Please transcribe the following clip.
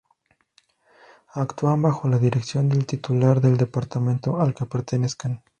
Actúan bajo la dirección del titular del Departamento al que pertenezcan.